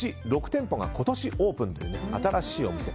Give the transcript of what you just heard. ６店舗が今年オープンという新しいお店。